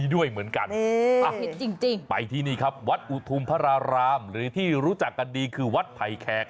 ด้วยเหมือนกันไปที่นี่ครับวัดอุทุมพระรารามหรือที่รู้จักกันดีคือวัดไผ่แขก